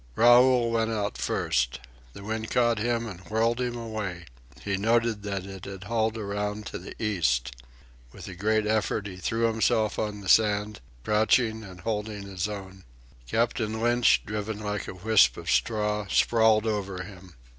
Raoul went out first. The wind caught him and whirled him away. He noted that it had hauled around to the east. With a great effort he threw himself on the sand, crouching and holding his own. Captain Lynch, driven like a wisp of straw, sprawled over him.